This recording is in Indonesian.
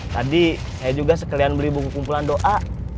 tadi saya juga sekalian beli buku kumpulan doa